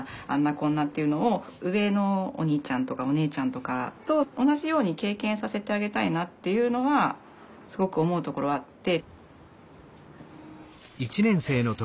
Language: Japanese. こんなっていうのを上のお兄ちゃんとかお姉ちゃんとかと同じように経験させてあげたいなっていうのはすごく思うところあって。